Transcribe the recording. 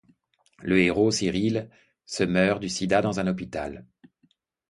Le héros, Cyrille, se meurt du sida dans un hôpital.